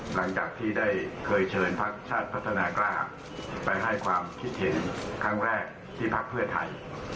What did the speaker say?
หลังจากที่ได้เคยเชิญพักชาติพัฒนากล้าไปให้ความคิดเห็นครั้งแรกที่พักเพื่อไทย